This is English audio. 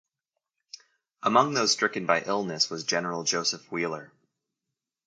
Among those stricken by illness was General Joseph Wheeler.